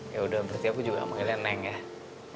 yaudah berarti aku juga manggilnya neng ya